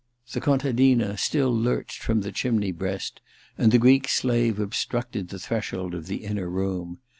The contadina still lurched from the chimney breast, and the Greek slave obstructed the threshold of the inner room.